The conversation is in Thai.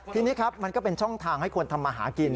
ทีนี้ครับมันก็เป็นช่องทางให้คนทำมาหากิน